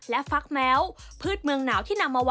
และฟักแม้ว